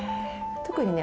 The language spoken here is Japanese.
特にね